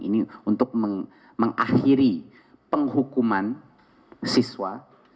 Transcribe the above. ini untuk mengakhiri penghukuman siswa